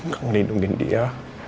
gak ngelindungin dia